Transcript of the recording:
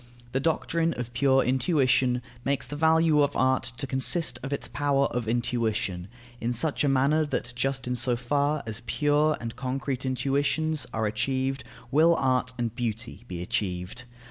The doctrine of pure intuition makes the value of art to consist of its power of intuition; in such a manner that just in so far as pure and concrete intuitions are achieved will art and beauty be achieved.